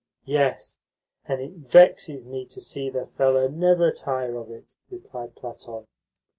"Yes, and it vexes me to see the fellow never tire of it," replied Platon.